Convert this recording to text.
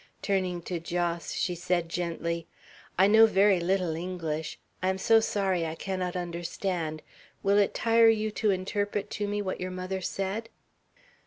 Turning to Jos, she said gently, "I know very little English. I am so sorry I cannot understand. Will it tire you to interpret to me what your mother said?"